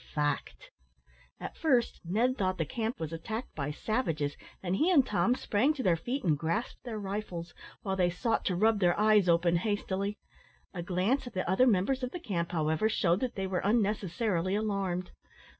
fact!" At first Ned thought the camp was attacked by savages, and he and Tom sprang to their feet and grasped their rifles, while they sought to rub their eyes open hastily. A glance at the other members of the camp, however, shewed that they were unnecessarily alarmed.